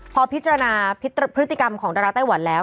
พอพิจารณาพฤติกรรมของดาราไต้หวันแล้ว